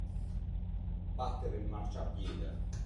Battere il marciapiede.